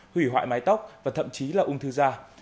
hủy hoại mái tóc và thậm chí là ung thư da